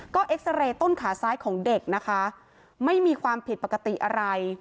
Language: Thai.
ก็เอ็กซาเรย์ต้นขาซ้ายของเด็กนะคะไม่มีความผิดปกติอะไร